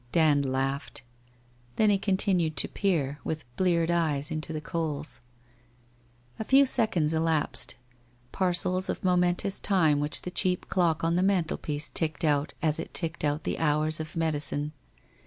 Dand laughed. Then he continued to peer, with bleared eyes, into the coals. ... A few seconds elapsed — parcels of momentous time which the cheap clock on the mantelpiece ticked out as it ticked out the hours of medicine.